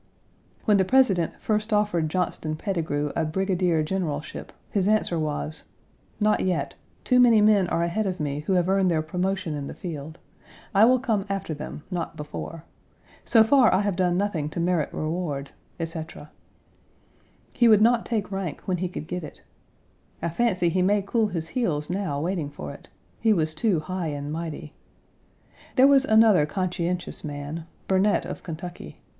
When the President first offered Johnston Pettigrew a brigadier generalship, his answer was: "Not yet. Too many men are ahead of me who have earned their promotion in the field. I will come after them, not before. So far I have done nothing to merit reward," etc. He would not take rank when he could get it. I fancy he may cool his heels now waiting for it. He was too high and mighty. There was another conscientious man Burnet, of Kentucky.